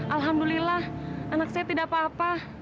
alhamdulillah anak saya tidak apa apa